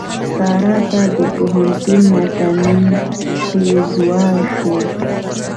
سارا ته د پوهنتون ناکامي پېزوان شو.